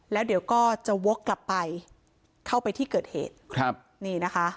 แล้วเดี๋ยวก็จะวกกลับไปเข้าไปที่เกิดเหตุครับนี่นะคะ